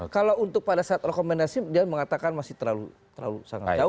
kalau untuk pada saat rekomendasi dia mengatakan masih terlalu sangat jauh